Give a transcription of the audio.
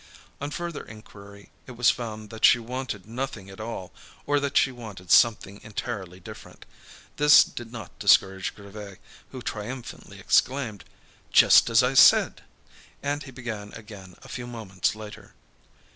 On further inquiry it was found that she wanted nothing at all, or that she wanted something entirely different. This did not discourage Grivet, who triumphantly exclaimed: "Just as I said!" And he began again a few moments later.